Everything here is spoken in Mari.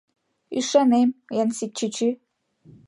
Ӱшанем, Янсит чӱчӱ.